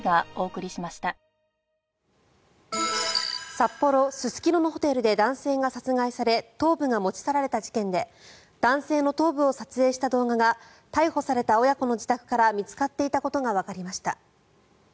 札幌・すすきののホテルで男性が殺害され頭部が持ち去られた事件で男性の頭部を撮影した動画が逮捕された親子の自宅から見つかっていたことがわかりました。